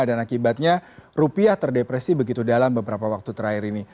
dan akibatnya rupiah terdepresi begitu dalam beberapa waktu terakhir ini